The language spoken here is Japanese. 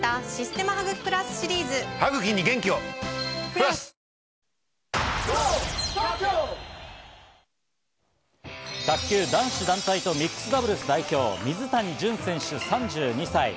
どんな新技なのかは、本番の卓球男子団体とミックスダブルス代表、水谷隼選手、３２歳。